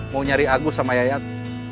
mau nyari agus sama yayat